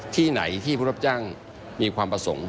ที่ไหนที่ผู้รับจ้างมีความประสงค์